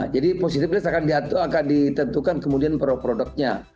jadi positive list akan ditentukan kemudian produk produknya